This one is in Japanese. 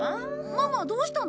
ママどうしたの？